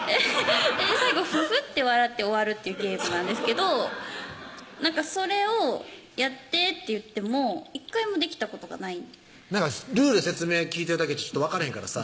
最後「フフ」って笑って終わるっていうゲームなんですけどそれを「やって」って言っても１回もできたことがないルール説明聞いてるだけじゃ分かれへんからさ